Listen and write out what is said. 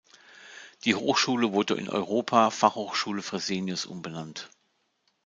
Die Hochschule wurde in "Europa Fachhochschule Fresenius" umbenannt.